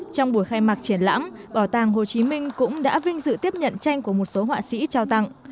trong buổi khai mạc triển lãm bảo tàng hồ chí minh cũng đã vinh dự tiếp nhận tranh của một số họa sĩ trao tặng